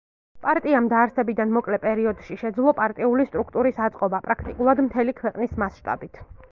პარტიამ დაარსებიდან მოკლე პერიოდში შეძლო პარტიული სტრუქტურის აწყობა, პრაქტიკულად, მთელი ქვეყნის მასშტაბით.